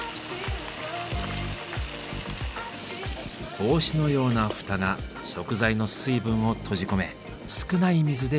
帽子のような蓋が食材の水分を閉じ込め少ない水で調理ができる。